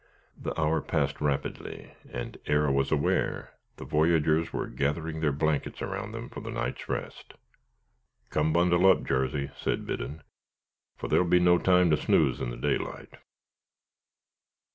The hour passed rapidly, and ere I was aware, the voyageurs were gathering their blankets around them for the night's rest. "Come, bundle up, Jarsey," said Biddon, "for thar'll be no time to snooze in the daylight."